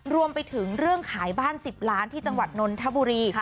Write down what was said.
รวมไปถึงเรื่องขายบ้าน๑๐ล้านที่จังหวัดนนทบุรี